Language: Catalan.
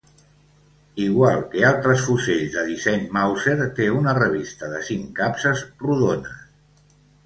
Igual que altres fusells de disseny Màuser, té una revista de cinc capses rodones.